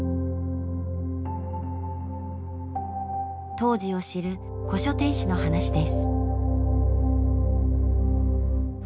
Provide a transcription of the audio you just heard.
当時を知る古書店主の話です。